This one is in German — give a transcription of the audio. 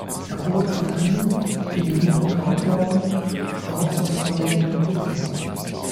Er wurde von einigen, die mit ihm bekannt waren, „schwarzer Salomon“ genannt.